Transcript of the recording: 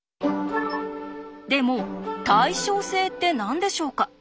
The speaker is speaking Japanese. でも「対称性」って何でしょうか？